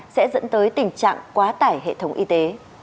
sẽ dẫn tới tình trạng quá tải hệ thống y tế